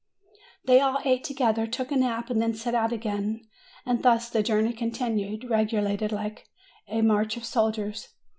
They all ate together, took a nap, and then set out again; and thus the journey continued, regulated like a march of soldiers.